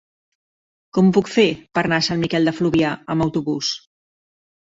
Com ho puc fer per anar a Sant Miquel de Fluvià amb autobús?